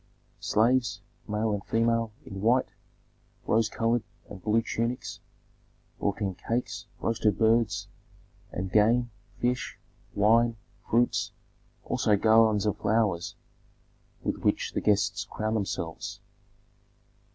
Slaves, male and female, in white, rose colored, and blue tunics, brought in cakes, roasted birds, and game, fish, wine, fruits, also garlands of flowers with which the guests crowned themselves.